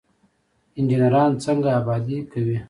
انجنیران څنګه ابادي کوي؟